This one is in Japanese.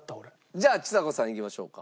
じゃあちさ子さんいきましょうか。